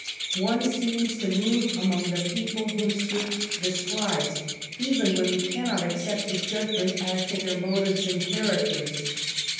One seems to move among the people whom Swift describes, even when we cannot' accept his judgment as to their motives and characters.